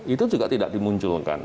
itu juga tidak dimunculkan